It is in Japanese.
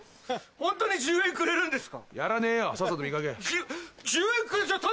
ホントに１０円くれるんですか？